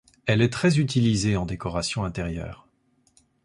Elle est très utilisée en décoration intérieure.